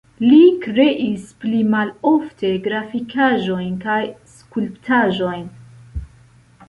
Li kreis pli malofte grafikaĵojn kaj skulptaĵojn.